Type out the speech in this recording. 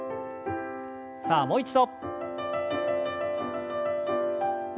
さあもう一度。